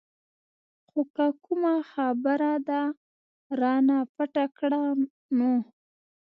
خو که کومه خبره دې رانه پټه کړه نو.